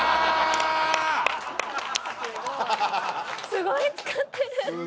すごい使ってる。